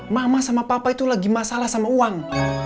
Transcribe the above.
mama sama papa itu lagi masalah sama uang